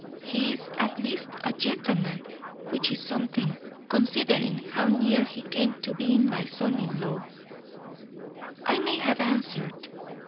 He is at least a gentleman, which is something, considering how near he came to being my son in law." I may have answered.